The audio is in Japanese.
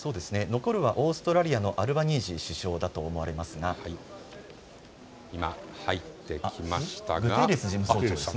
残るはオーストラリアのアルバニージー首相だと思われますが今、入ってきましたがグテーレス事務総長ですね。